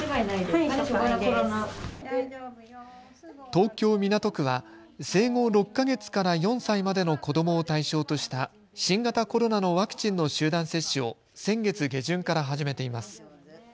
東京港区は生後６か月から４歳までの子どもを対象とした新型コロナのワクチンの集団接種を先月下旬から始めています。